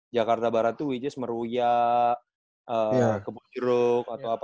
jakarta barat itu which is meruya kebonjeruk atau apa